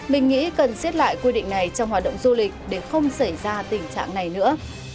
mình nghĩ cần xiết lại quy định này trong hoạt động du lịch để không xảy ra tình trạng này nữa